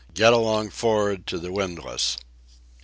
Get along for'ard to the windlass."